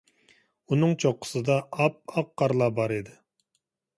ئۇنىڭ چوققىسىدا ئاپئاق قارلار بار ئىدى.